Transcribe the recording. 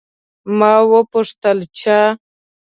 ما وپوښتل، چا؟